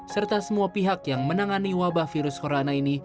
serta semua pihak yang menangani wabah virus corona ini